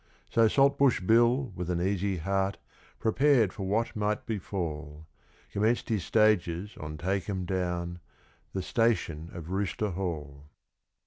So Saltbush Bill, with an easy heart, prepared for what might befall, Commenced his stages on Take 'Em Down, the station of Rooster Hall.